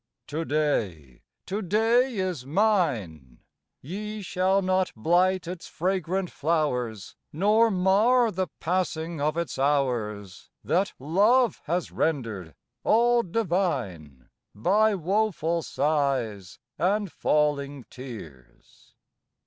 To day, to day is mine! Ye shall not blight its fragrant flowers, Nor mar the passing of its hours, That love has rendered all divine, By woeful sighs and falling tears.